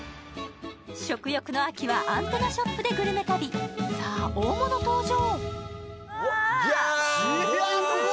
食欲の秋はアンテナショップでグルメ旅、さあ大物登場！